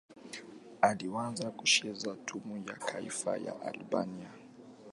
Aliwahi kucheza timu ya taifa ya Albania.